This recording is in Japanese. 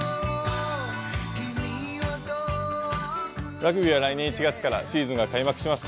ラグビーは来年１月からシーズンが開幕します。